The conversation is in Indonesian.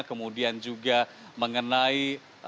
kemudian juga mengenai